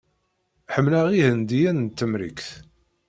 Ḥemmleɣ Ihendiyen n Temrikt.